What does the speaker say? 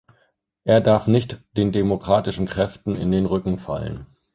Er darf nicht den demokratischen Kräften in den Rücken fallen!